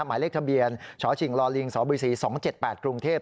หมายเลขทะเบียนชชิงลอลิงสบ๔๒๗๘กรุงเทพฯ